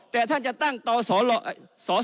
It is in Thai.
แต่ท่านจะตั้งต่อสองสลลอ